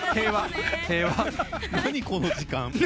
何この時間？